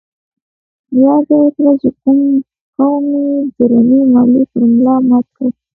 ياده يې کړه چې قوم يې درنې ماليې پر ملا مات کړ.